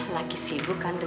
lagi sibuk andri